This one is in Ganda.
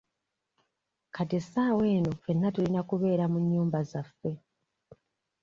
Kati essaawa eno ffena tulina kubeera mu nnyumba zaffe.